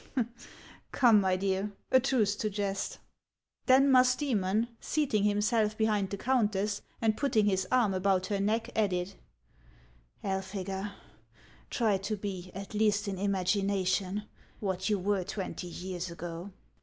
" Come, my dear, a truce to jest." Then Musdcemon, seating himself behind the countess, and putting his arm about her neck, added :" Elphega, try to be, at least in imagination, what you were twenty years ago."